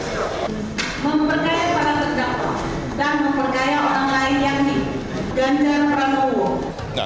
memperkaya para pegang dan memperkaya orang lain yang diganjar pranowo